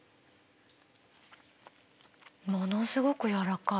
ものすごく柔らかい。